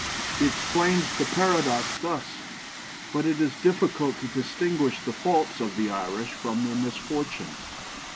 " He explains the paradox thus: "But it is difficult to distinguish the faults of the Irish from their misfortunes.